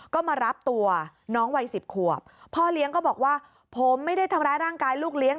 ก็มารับตัวน้องวัยสิบขวบพ่อเลี้ยงก็บอกว่าผมไม่ได้ทำร้ายร่างกายลูกเลี้ยง